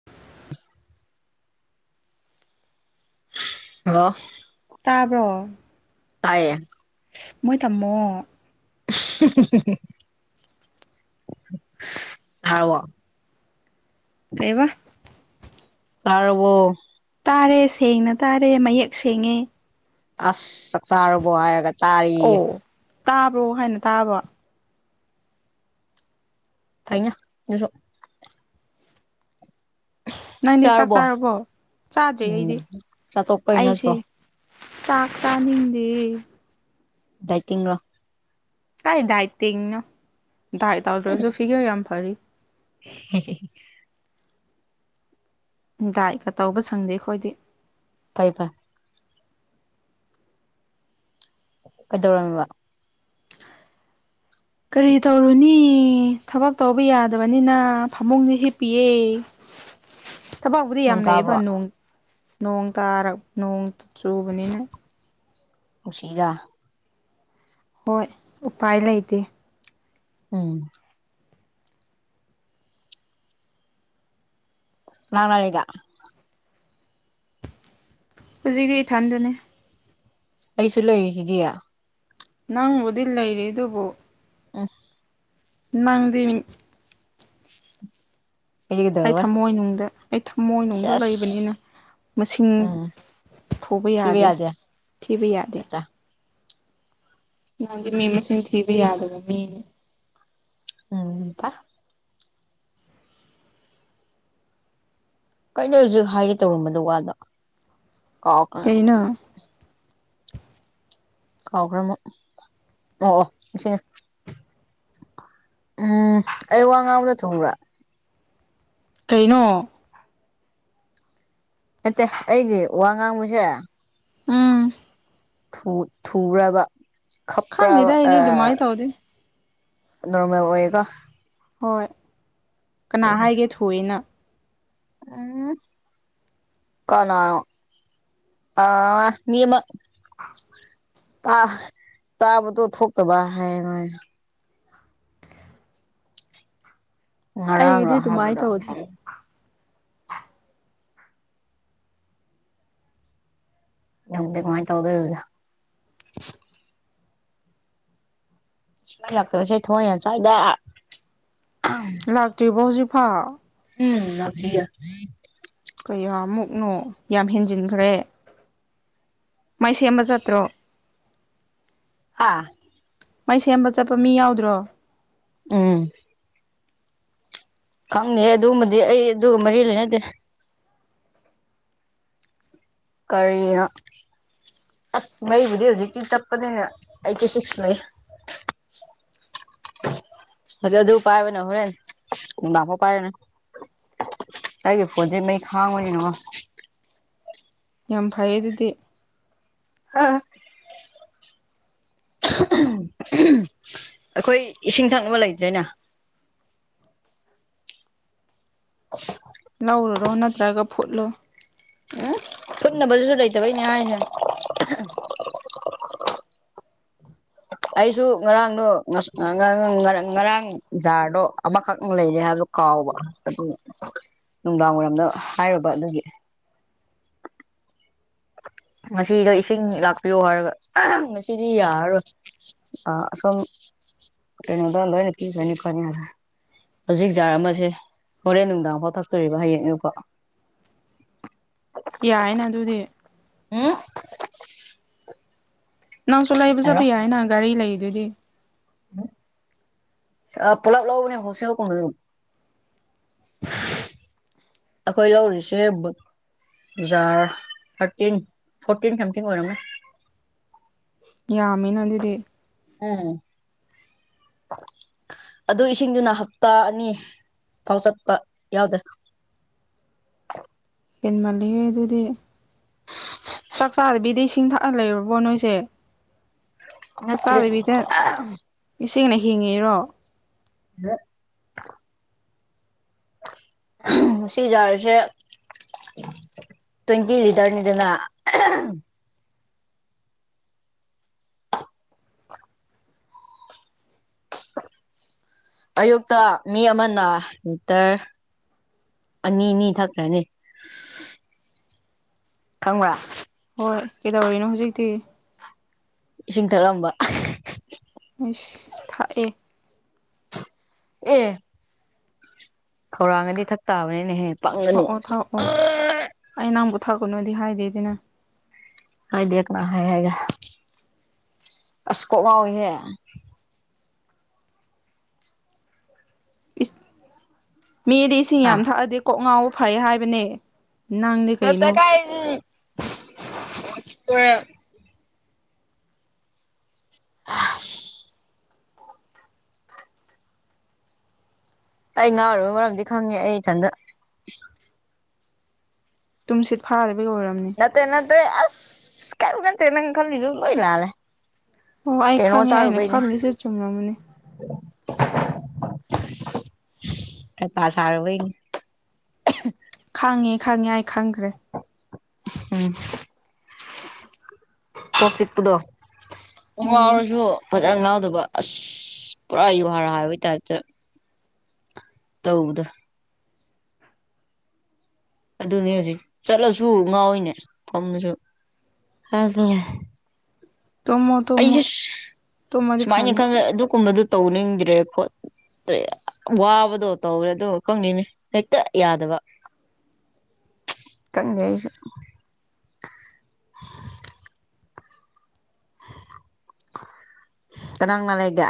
[inaudible] hello ꯇꯥꯕ꯭ꯔꯣ ꯇꯥꯏꯌꯦ ꯃꯣꯏ ꯇꯝꯃꯣ ꯍꯥꯎꯋꯣ ꯀꯩꯕ ꯇꯥꯔꯕꯣ ꯇꯥꯔꯦ ꯁꯦꯡꯅ ꯇꯥꯔꯦ ꯃꯌꯦꯛ ꯁꯦꯡꯉꯦ ꯑꯁ ꯆꯥꯛ ꯆꯥꯔꯕꯣ ꯍꯥꯏꯔꯒꯠ ꯑꯣ ꯇꯥꯕ꯭ꯔꯣ ꯍꯥꯏꯅ ꯇꯥꯕ ꯐꯩꯅꯦ ꯑꯗꯨꯁꯨ ꯅꯪꯗꯤ ꯆꯥꯛ ꯆꯥꯔꯕꯣ ꯆꯥꯗ꯭ꯔꯤ ꯎꯝ ꯑꯩꯗꯤ ꯆꯥꯊꯣꯛꯄꯩ ꯑꯩꯁꯦ ꯅꯠꯇ꯭ꯔꯣ ꯆꯥꯛ ꯆꯥꯅꯤꯡꯗꯦ ꯗꯥꯏꯇꯤꯡ ꯂꯣ ꯀꯥꯏ ꯗꯥꯏꯠꯇꯤꯡꯅꯣ ꯗꯥꯏꯠ ꯇꯧꯗ꯭ꯔꯁꯨ ꯐꯤꯒ꯭ꯔ ꯌꯥꯝ ꯐꯔꯤ ꯍꯦ ꯍꯦ ꯗꯥꯏꯠꯀ ꯇꯧꯕ ꯁꯪꯗꯦ ꯑꯩꯈꯣꯏꯗꯤ ꯐꯩ ꯐꯩ ꯀꯩꯗꯧꯔꯝꯃꯤꯕ ꯀꯔꯤ ꯇꯧꯔꯨꯅꯤ ꯊꯕꯛ ꯇꯧꯕ ꯌꯥꯗꯕꯅꯤꯅ ꯐꯃꯨꯡꯗ ꯍꯤꯞꯄꯤꯌꯦ [inaudible] ꯊꯕꯛꯕꯨꯗꯤ ꯌꯥꯝ ꯅꯣꯡ ꯂꯩꯌꯦꯕ ꯇꯥꯕ꯭ꯔꯣ ꯅꯣꯡ ꯅꫭꯡ ꯇꯥꯔꯛ ꯅꯣꯡ ꯆꯨꯕꯅꯤꯅ ꯅꯨꯡꯁꯤꯗ ꯍꯣꯏ ꯎꯄꯥꯏ ꯂꯩꯇꯦ ꯎꯝ ꯂꯥꯛꯅꯔꯦꯗ ꯍꯧꯖꯤꯛꯇꯤ ꯏꯊꯟꯗꯅꯦ ꯑꯩꯁꯨ ꯂꯩꯔꯤꯁꯤꯗꯤ ꯅꯪꯕꯨꯗꯤ ꯂꯩꯔꯤ ꯑꯗꯨꯕꯨ ꯎꯝ ꯅꯪꯗꯤ ꯑꯩꯗꯤ ꯑꯩ ꯀꯩꯗꯧꯔꯕ ꯊꯝꯃꯣꯏꯅꯨꯡꯗ ꯑꯩ ꯊꯝꯃꯣꯏꯅꯨꯡꯗ ꯁꯦꯁ ꯂꯩꯕꯅꯤꯅ ꯃꯁꯤꯡ ꯎꯝ ꯊꯨꯕ ꯌꯥꯗꯦ ꯊꯤꯕ ꯌꯥꯗꯦ ꯆꯠꯆꯥ ꯅꯪꯗꯤ ꯃꯤ ꯃꯆꯤꯟ ꯊꯤꯕ ꯌꯥꯗꯕ ꯃꯤꯅꯤ ꯎꯝꯄꯥ ꯀꯩꯅꯣ ꯍꯧꯖꯤꯛ ꯍꯥꯏꯒꯦ ꯇꯧꯔꯝꯕꯗꯨ ꯋꯥꯗꯣ ꯀꯥꯎꯈ꯭ꯔꯦ ꯀꯩꯅꯣ ꯀꯥꯎꯈ꯭ꯔꯃꯣ ꯑꯣꯑꯣ ꯁꯤ ꯎꯝ ꯑꯩ ꯋꯥ ꯉꯥꯡꯕꯗ ꯊꯨꯕ꯭ꯔꯥ ꯀꯩꯅꯣ ꯅꯠꯇꯦ ꯑꯩꯒꯤ ꯋꯥ ꯉꯥꯡꯕꯁꯦ ꯎꯝ ꯊꯨ ꯊꯨꯕꯔꯕ ꯈꯞꯄ꯭ꯔꯕ ꯈꯪꯗꯦꯗ ꯑ ꯑꯩꯗꯤ ꯑꯗꯨꯃꯥꯏꯅ ꯇꯧꯗꯦ ꯅꯣꯔꯃꯦꯜ ꯑꯣꯏꯀꯣ ꯍꯣꯏ ꯀꯅꯥ ꯀꯩꯅꯣ ꯍꯥꯏꯒꯦ ꯊꯨꯏꯌꯦꯅ ꯎꯝ ꯀꯅꯥꯅꯣ ꯑ ꯃꯤ ꯑꯃ ꯇꯥ ꯇꯥꯕꯗꯣ ꯊꯣꯛꯇꯕ ꯍꯥꯏꯌꯦ ꯃꯥꯅ ꯉꯔꯥꯡꯔꯣ ꯑꯩꯒꯤꯗꯤ ꯑꯗꯨꯃꯥꯏꯅ ꯍꯥꯏꯕꯗꯣ ꯇꯧꯗꯦ ꯅꯗꯦ ꯀꯃꯥꯏꯅ ꯇꯧꯕꯗꯔꯗ ꯃꯩ ꯂꯥꯛꯇꯕꯁꯦ ꯊꯋꯥꯏ ꯌꯥꯝ ꯆꯥꯛ ꯏꯗ ꯂꯥꯛꯇ꯭ꯔꯤꯕꫭ ꯍꯧꯖꯤꯛꯐꯥꯎ ꯎꯝ ꯂꯥꯛꯇꯔꯤꯌꯦ ꯀꯌꯥ ꯃꯨꯛꯅꯣ ꯌꯥꯝ ꯍꯦꯟꯖꯤꯟꯈ꯭ꯔꯦ ꯃꯩ ꯁꯦꯝꯕ ꯆꯠꯇ꯭ꯔꯣ ꯍꯥꯥ ꯃꯩ ꯁꯦꯝꯕ ꯆꯠꯄ ꯃꯤ ꯌꯥꯎꯗ꯭ꯔꫭ ꯎꯝ ꯈꯪꯗꯦꯍꯦ ꯑꯗꯨꯒꯨꯝꯕꯗꯤ ꯑꯩ ꯑꯗꯨꯒ ꯃꯔꯤ ꯂꯩꯅꯗꯦ ꯀꯔꯤꯔꯥ ꯑꯁ ꯃꯩꯕꯨꯗꯤ ꯍꯧꯖꯤꯛꯇꯤ ꯆꯞꯄꯅꯤꯅ ꯑꯩꯠꯇꯤ ꯁꯤꯛꯁ ꯂꯩꯌꯦ [unintelligible] ꯑꯗꯨ ꯑꯗꯨ ꯄꯥꯏꯕꯅ ꯍꯣꯔꯦꯟ ꯅꯨꯡꯗꯥꯡꯐꯧ ꯄꯥꯏꯔꯅꯤ ꯑꯩꯒꯤ ꯐꯣꯟꯁꯦ ꯃꯩ ꯈꯥꯡꯕꯅꯤ ꯌꯦꯡꯉꯣ ꯌꯥꯝ ꯐꯩꯌꯦ ꯑꯗꯨꯗꯤ ꯑ ꯑꯩꯈꯣꯏ ꯏꯁꯤꯡ ꯊꯛꯅꯕ ꯂꯩꯇ꯭ꯔꯦꯅ [unintelligible] ꯂꯧꯔꯨꯔꯣ ꯅꯠꯇ꯭ꯔꯒ ꯐꯨꯠꯂꯣ ꯎꯝ ꯐꯠꯅꯕꯗꯨꯁꯨ ꯂꯩꯇꯕꯩꯅꯦ ꯍꯥꯏꯖꯦ ꯑꯩꯁꯨ ꯉꯔꯥꯡꯗꯣ ꯉꯁ ꯉ ꯉ ꯉꯔꯥꯡ ꯖꯥꯔꯗꯣ ꯑꯃꯈꯛ ꯂꯩꯔꯦ ꯍꯥꯏ__ ꯀꯥꯎꯕ ꯑꯗꯨ ꯅꯨꯡꯗꯥꯡ ꯋꯥꯏꯔꯝꯗ ꯍꯥꯏꯔꯨꯕ ꯑꯗꯨꯒꯤ ꯉꯁꯤꯗꯣ ꯏꯁꯤꯡ ꯂꯥꯛꯄꯤꯌꯣ ꯍꯥꯏꯔꯒ [unintelligible] ꯉꯁꯤꯗꯤ ꯌꯥꯔꯔꯣꯏ ꯑ ꯑꯁꯣꯝ ꯀꯩꯅꯣꯗ ꯂꯣꯏꯅ ꯄꯤꯈ꯭ꯔꯅꯤ ꯈꯣꯠꯅꯤꯅ ꯍꯥꯏ ꯍꯧꯖꯤꯛ ꯖꯥꯔ ꯑꯃꯁꯦ ꯍꯣꯔꯦꯟ ꯅꯨꯡꯗꯥꯡꯐꯥꯎ ꯊꯛꯇꯣꯔꯤꯕ ꯍꯌꯦꯡ ꯑꯌꯨꯛ ꯐꯥꯎ ꯌꯥꯏꯑꯦꯅ ꯑꯗꯨꯗꯤ ꯎꯝ [unintelligible] ꯅꯪꯁꯨ ꯂꯩꯕ ꯆꯠꯄ ꯌꯥꯔꯣꯏ ꯌꯥꯏꯌꯦꯅ ꯒꯥꯔꯤ ꯂꯩꯏꯗꯨꯗꯤ [unintelligible] ꯁꯦ ꯑꯥ ꯄꯨꯂꯞ ꯂꯧꯕꯅꯦ ꯍꯣꯜꯁꯦꯜ [unintelligible] [unintelligible] ꯑꯩꯈꯣꯏ ꯂꯧꯔꯤꯁꯦ ꯕꯨꯠ__ ꯖꯥꯔ ꯊꯥꯔꯇꯤꯟ ꯐꯣꯔꯇꯤꯟ ꯁꯝꯊꯤꯡ ꯑꯣꯏꯔꯝꯅꯤ ꯌꯥꯝꯃꯤꯅ ꯑꯗꯨꯗꯤ ꯎꯝ [unintelligible] ꯑꯗꯨ ꯏꯁꯤꯡꯗꯨꯅ ꯍꯞꯇꯥ ꯑꯅꯤ ꯐꯥꯎ ꯆꯠꯄ ꯌꯥꯎꯗꯦ ꯍꯦꯟꯃꯜꯂꯤꯍꯦ ꯑꯗꯨꯗꯤ ꯆꯥꯛ ꯆꯥꯗꯕꯤꯗ ꯏꯁꯤꯡ ꯊꯛꯑ ꯂꯩꯔꯕꯣ ꯅꯣꯏꯁꯦ ꯅꯠꯇꯦ ꯆꯥꯛꯆꯥꯗꯕꯤꯗ ꯏꯁꯤꯡꯅ ꯍꯤꯡꯉꯤꯔꯣ [unintelligible] ꯉꯁꯤꯒꯤ ꯖꯥꯔ ꯁꯦ ꯇꯣꯏꯟꯇꯤ ꯂꯤꯇꯔꯅꯦꯗꯅ [unintelligible] ꯑꯌꯨꯛꯇ ꯃꯤ ꯑꯃꯅ ꯅꯤꯇꯔ ꯑꯅꯤ ꯑꯅꯤ ꯊꯛꯈ꯭ꯔꯅꯤ ꯈꯪꯕ꯭ꯔꯥ ꯍꯣꯏ ꯀꯩꯗꯧꯔꯤꯅꯣ ꯍꯧꯖꯤꯛꯇꯤ ꯏꯁꯤꯡ ꯊꯛꯔꯝꯕ [unintelligible] ꯏꯁ ꯊꯥꯛꯑꯦ ꯑꯦ ꯈꯧꯔꯥꯡꯉꯗꯤ ꯊꯛ ꯇꯥꯕꯅꯤꯅꯦꯍꯦ ꯄꯪꯒꯅꯨ ꯊꯥꯛꯑꯣ ꯊꯥꯛꯑꯣ ꯑꯩ ꯅꯪꯕꯨ ꯊꯥꯛꯀꯅꯨꯗꯤ ꯍꯥꯏꯗꯦꯗꯅ ꯍꯥꯏꯗꯦ ꯀꯅꯥ ꯍꯥꯏ ꯍꯥꯏꯒꯦ ꯑꯁ ꯀꯣꯛ ꯉꯥꯎꯋꯤꯍꯦ ꯏꯁ ꯃꯤꯗꯤ ꯏꯁꯤꯡ ꯑ ꯌꯥꯝ ꯊꯛꯑꯗꯤ ꯀꯣꯛ ꯉꯥꯎꯕ ꯐꯩ ꯍꯥꯏꯕꯅꯦ ꯅꯪꯗꯤ ꯑꯁ ꯀꯦꯝꯇ ꯀꯩꯅꯣ ꯀꯥꯏꯗꯒꯤ [unintelligible] ꯋꯥꯊꯤ ꯋꯥꯔꯦꯝ ꯑꯁ [inaudible] ꯑꯩ ꯉꯥꯎꯔꯤꯕ ꯃꯔꯝꯗꯤ ꯈꯪꯉꯦ ꯑꯩ ꯏꯊꯟꯗ ꯇꯨꯝꯁꯤꯠ ꯐꯥꯗꯕꯩ ꯑꯣꯏꯔꯝꯅꯤ ꯅꯠꯇꯦ ꯅꯠꯇꯦ ꯑꯁ ꯀꯦꯝ ꯈꯟꯗꯦ ꯅꯪ ꯈꯜꯂꯤꯁꯨ ꯂꯣꯏ ꯂꯥꯜꯂꯦ ꯑꯣ ꯑꯩ ꯀꯩꯅꯣ ꯈꯪꯉꯦ ꯑꯩꯅ ꯆꯥꯔꯨꯕꯩꯅꯦ ꯈꯜꯂꯤꯁꯦ ꯆꯨꯝꯔꯝꯅꯤ [unintelligible] ꯍꯩꯄꯥ ꯁꯥꯔꯨꯕꯩꯅꯤ ꯈꯪꯉꯦ ꯈꯪꯉꯦ ꯑꯩ ꯈꯪꯈ꯭ꯔꯦ ꯎꯝ ꯀꯣꯛ ꯆꯤꯛꯄꯗꯣ ꯀꯣꯛ ꯎꯝ ꯉꯥꯎꯔꯁꯨ ꯐꯖꯅ ꯉꯥꯎꯗꯕ ꯑꯁ ꯄꯨꯔꯥ ꯌꯨꯍꯥꯔ ꯍꯥꯏꯕꯒꯤ ꯇꯥꯏꯞꯇ ꯇꯧꯕꯗꯣ ꯑꯗꯨꯅꯦ ꯍꯧꯖꯤꯛ ꯆꯠꯂꯁꯨ ꯉꯥꯎꯌꯤꯅꯦ ꯐꯝꯃꯁꯨ [unintelligible] ꯇꯨꯝꯃꯣ ꯇꯨꯝꯃꯣ [unintelligible] ꯇꯨꯝꯃꯗꯤ ꯁꯨꯃꯥꯏꯅ ꯐꯅꯤ ꯈꯪꯔꯦ ꯑꯗꯨꯒꯨꯝꯕꯗꯨ ꯇꯧꯅꯤꯡꯗ꯭ꯔꯦ ꯑꯩꯈꯣꯏ [unintelligible] ꯋꯥꯕꯗꯣ ꯇꯧꯔꯦ ꯑꯗꯨꯒ ꯈꯪꯗꯦꯅꯦ ꯍꯦꯛꯇ ꯌꯥꯗꯕ ꯈꯪꯗꯦ ꯑꯩꯁꯨ ꯀꯅꯥꯥ ꯀꯅꯥ ꯂꯩꯒꯦ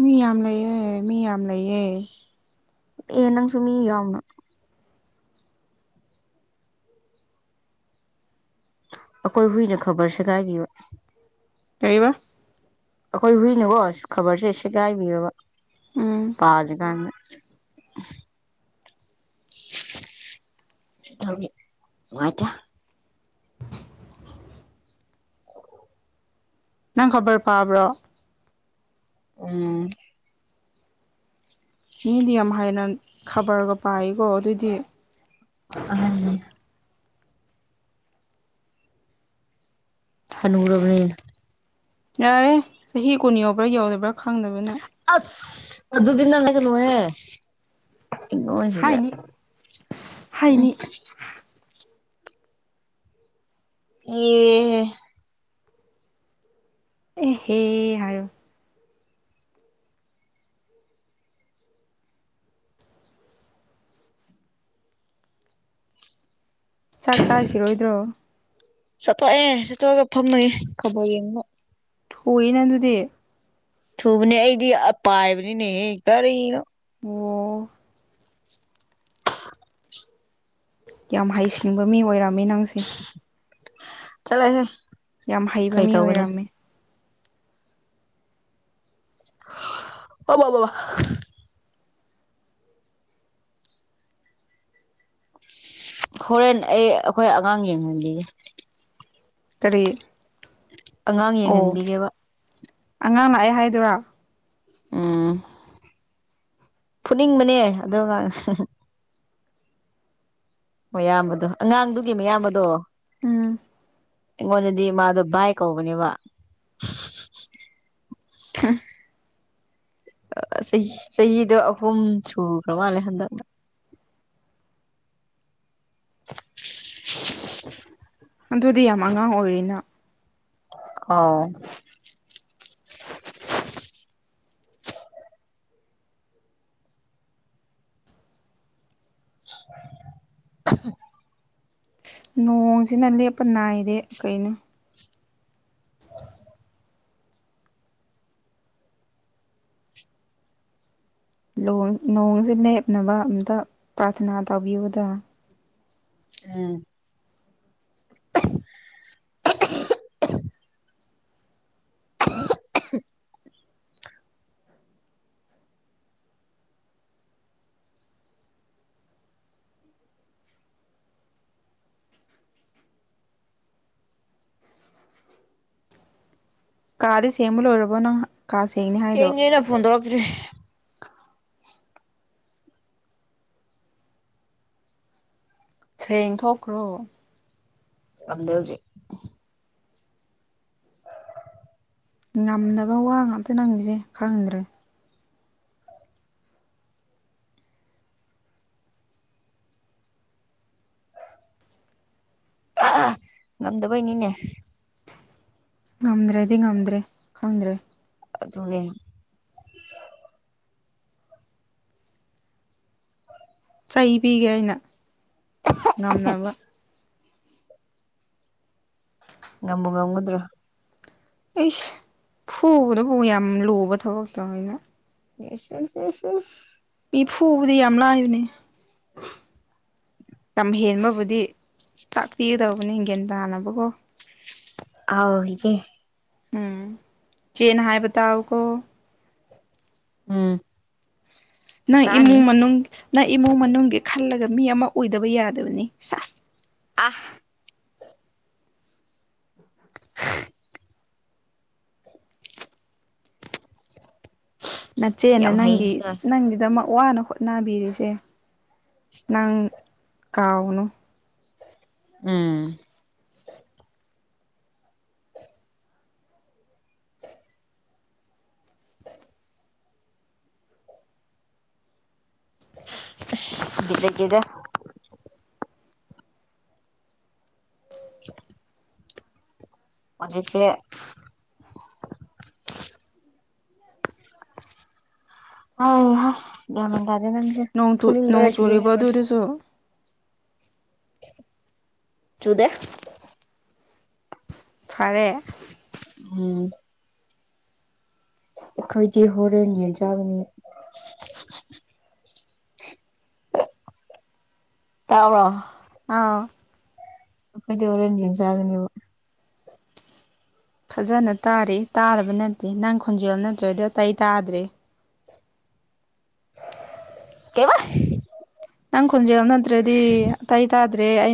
ꯃꯤ ꯌꯥꯝ ꯂꯩꯌꯦ ꯃꯤ ꯌꯥꯝ ꯂꯩꯌꯦ ꯑꯦ ꯅꯪꯁꯨ ꯃꯤ ꯌꯥꯝ ꯑꯩꯈꯣꯏ ꯍꯨꯏꯅ ꯈꯕꯔ ꯁꯦꯒꯥꯏꯕꯤꯌ ꯀꯕꯥ ꯑꯩꯈꯣꯏ ꯍꯨꯏꯅꯀꯣ ꯈꯕꯔꯁꯦ ꯁꯦꯒꯥꯏꯕꯤꯔꯕ ꯎꯝ ꯄꯥꯗ꯭ꯔꯤꯀꯥꯟꯗ [inaudible] ꯊ ꯋꯥꯇ ꯅꯪ ꯈꯕꯔ ꯄꯥꯕ꯭ꯔꯣ ꯎꯝ ꯃꯤꯦꯗꯤꯌꯝ ꯍꯥꯏꯅ ꯈꯕꯔꯒ ꯄꯥꯏꯀꯣ ꯑꯗꯨꯑꯣꯏꯗꯤ ꯑꯅꯦ ꯍꯅꯨꯔꯕꯅꯤꯜ ꯌꯥꯔꯦ ꯆꯍꯤ ꯀꯨꯟ ꯌꯎꯕ꯭ꯔꯥ ꯌꯧꯗꯕ꯭ꯔꯥ ꯈꯪꯗꯕꯅ ꯑꯁ ꯑꯗꯨ ꯑꯗꯨꯗꯤꯅ ꯂꯩꯒꯅꯣꯍꯦ ꯏ ꯃꯣꯁꯤꯗ ꯍꯥꯏꯅꯤ ꯎ ꯍꯥꯏꯅꯤ ꯑꯣ ꯑꯦ ꯍꯦ ꯍꯥꯏ ꯆꯥꯛ ꯆꯥꯈꯤꯔꯣꯏꯗ꯭ꯔꯣ ꯆꯠꯊꯣꯛꯑꯦ ꯆꯠꯊꯣꯛꯑꯒ ꯐꯝꯅꯏꯦ ꯈꯕꯔ ꯌꯦꯡꯕꯣ ꯍꯅ ꯑꯗꯨꯗꯤ ꯊꯨꯕꯅꯦ ꯑꯩꯗꯤ ꯄꯥꯏꯕꯅꯤꯅꯦꯍꯦ ꯀꯔꯤꯅꯣ ꯑꯣ [inaudible] ꯌꯥꯝ ꯍꯩꯁꯤꯡꯕ ꯃꯤ ꯑꯣꯏꯔꯝꯃꯤ ꯅꯪꯁꯦ ꯆꯂꯁꯦ ꯌꯥꯝ ꯍꯩꯕ ꯃꯤ ꯑꯣꯏꯔꯝꯃꯦ ꯑꯣꯕꯥꯕꯥ ꯍꯣꯔꯦꯟ ꯑꯩ ꯑꯩꯈꯣꯏ ꯑꯉꯥꯡ ꯌꯦꯡꯍꯟꯕꯤꯒꯦ ꯇꯔꯤ ꯑꯉꯥꯡ ꯌꯦꯡꯍꯟꯕꯤꯒꯦꯕ ꯑꯉꯥꯡ ꯂꯥꯛꯑꯦ ꯍꯥꯏꯗꯣꯏꯔꯣ ꯎꯝ ꯐꯨꯅꯤꯡꯕꯅꯦ ꯑꯗꯨꯒ ꯃꯌꯥꯝꯕꯗꯣ ꯑꯉꯥꯡꯗꯨꯒꯤ ꯃꯌꯥꯝꯕꯗꯣ ꯎꯝ ꯑꯩꯉꯣꯟꯗꯗꯤ ꯃꯥꯗꯣ ꯕꯥꯏ ꯀꯧꯕꯅꯦꯕ [unintelligible] ꯍꯝ ꯑ ꯆꯍꯤ ꯆꯍꯤꯗꯣ ꯑꯍꯨꯝ ꯁꯨꯈ꯭ꯔ ꯃꯥꯜꯂꯦ ꯍꯟꯗꯛꯅ ꯑꯗꯨꯗꯤ ꯌꯥꯝ ꯑꯉꯥꯡ ꯑꯣꯏꯔꯤꯅ ꯑꯧ [unintelligible] ꯅꯣꯡꯁꯤꯅ ꯂꯦꯞꯄ ꯅꯥꯏꯗꯦ ꯀꯩꯅꯣ ꯅꯣꯡꯁꯦ ꯂꯦꯞꯅꯕ ꯑꯝꯇ ꯄ꯭ꯔꯊꯅꯥ ꯇꯧꯕꯤꯌꯨꯗ ꯑꯝ [unintelligible] ꯀꯥꯗꯤ ꯁꯦꯡꯕ ꯂꯣꯏꯔꯔꯕꯣ ꯅꯪ ꯀꯥ ꯁꯦꯡꯅꯤ ꯍꯥꯏꯗꯣ ꯁꯦꯡꯉꯦꯅ ꯐꯣꯟ ꯇꯧꯔꯛꯇ꯭ꯔꯤ ꯁꯦꯡꯊꯣꯛꯈ꯭ꯔꯣ ꯉꯝꯗꯦ ꯍꯧꯖꯤꯛ ꯉꯝꯅꯕ ꯋꯥ ꯉꯥꯛꯇ ꯅꯪꯒꯤꯁꯦ ꯈꯪꯗ꯭ꯔꯦ [unintelligible] ꯉꯝꯗꯕꯩꯅꯤꯅꯦ ꯉꯝꯗ꯭ꯔꯗꯤ ꯉꯝꯗ꯭ꯔꯦ ꯈꯪꯗ꯭ꯔꯦ ꯑꯗꯨꯅꯦ ꯆꯩ ꯄꯤꯒꯦ ꯑꯩꯅ ꯉꯝꯅꯕ ꯉꯝꯕꯨ ꯉꯝꯒꯗ꯭ꯔꯥ ꯑꯩꯁ ꯐꯨꯕꯗꯕꯨ ꯌꯥꯝ ꯂꯨꯕ ꯊꯕꯛꯛꯇꯧꯅ [unintelligible] ꯃꯤ ꯐꯨꯕꯗ ꯌꯥꯝ ꯂꯥꯏꯕꯅꯦ ꯂꯝ ꯍꯦꯟꯕꯕꯨꯗꯤ ꯇꯥꯛꯄꯤꯒꯗꯧꯕꯅꯤ ꯒ꯭ꯌꯥꯟ ꯇꯥꯅꯕꯀꯣ ꯑꯥꯎ ꯏꯆꯦ ꯎꯝ ꯆꯦꯅ ꯍꯥꯏꯕ ꯇꯥꯑꯣ ꯀꯣ ꯎꯝ ꯅꯪ ꯇꯥꯅꯤ ꯏꯃꯨꯡ ꯃꯅꯨꯡ ꯅꯪ ꯏꯃꯨꯡ ꯃꯅꯨꯡꯒꯤ ꯈꯜꯂꯒ ꯃꯤ ꯑꯃ ꯑꯣꯏꯗꯕ ꯌꯥꯗꯕꯅꯤ ꯑ [unintelligible] ꯅꯠꯆꯦꯅ ꯌꯥꯝ ꯅꯪꯒꯤ ꯍꯩꯀꯣ ꯅꯪꯒꯤꯗꯃꯛ ꯋꯥꯅ ꯍꯣꯠꯅꯕꯤꯔꯤꯁꯦ ꯅꯪ ꯀꯥꯎꯒꯅꯨ ꯎꯝ ꯑꯁ ꯚꯤꯗ ꯂꯩꯇꯦꯗ [unintelligible] ꯍꯧꯖꯤꯛꯁꯦ [unintelligible] ꯒ꯭ꯌꯥꯟ ꯃꯦꯟ ꯇꯥꯗꯦꯗ ꯃꯤꯁꯤꯡꯁꯦ ꯅꯣꯡ ꯇꯨ ꯅꯣꯡ ꯐꯨꯅꯤꯡꯕꯅ [unintelligible] ꯆꯨꯔꯤꯕ ꯑꯗꯨꯗꯨꯁꯨ ꯆꯨꯗꯦ ꯐꯔꯦ ꯎꯝ ꯑꯩꯈꯣꯏꯗꯤ ꯍꯣꯔꯦꯟ ꯌꯦꯟ ꯆꯥꯒꯅꯤ ꯇꯥꯥꯎꯔꯣ ꯍꯥꯎ ꯑꯩꯈꯣꯏꯗꯤ ꯍꯣꯔꯦꯟ ꯌꯦꯟ ꯆꯥꯒꯅꯦꯕ ꯐꯖꯅ ꯇꯥꯔꯤ ꯇꯥꯗꯕ ꯅꯠꯇꯦ ꯅꯪ ꯈꯣꯟꯖꯦꯜ ꯅꯠꯇ꯭ꯔꯗꯤ ꯑꯇꯩ ꯇꯥꯗ꯭ꯔꯦ ꯀꯩꯕꯥ ꯅꯪ ꯈꯣꯟꯖꯦꯜ ꯅꯠꯇ꯭ꯔꯗꯤ ꯑꯇꯩ ꯇꯥꯗ꯭ꯔꯦ ꯑ